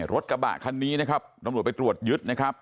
รถกระบะคันนี้นะครับตำรวจไปตรวจยึดนะครับ